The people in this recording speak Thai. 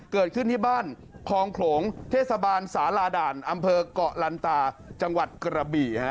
เกิดขึ้นที่บ้านคลองโขลงเทศบาลสาลาด่านอำเภอกเกาะลันตาจังหวัดกระบี่